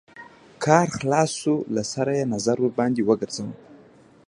کار خلاص شو له سره يې نظر ورباندې وګرځوه.